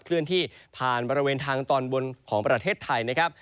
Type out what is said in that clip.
เลื่อนที่ผ่านบริเวณทางตอนบนของประเทศไทยนะครับ